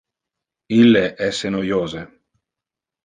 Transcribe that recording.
Ille es enoiose.